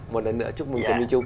một lần nữa chúc mừng trần minh trung